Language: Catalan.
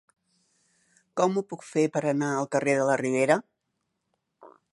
Com ho puc fer per anar al carrer de la Ribera?